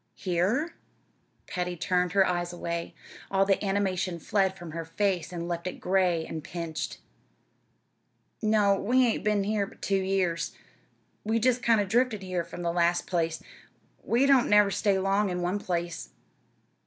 "Here?" Patty turned her eyes away. All the animation fled from her face and left it gray and pinched. "No. We hain't been here but two years. We jest kind of drifted here from the last place. We don't never stay long in one place."